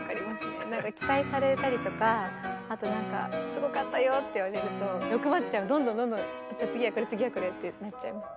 期待されたりとかあとなんか「すごかったよ」って言われるとどんどんどんどんじゃあ次はこれ次はこれってなっちゃいます。